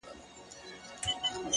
بيا به تاوان راکړې د زړگي گلي ـ